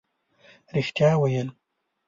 رښتیا ویل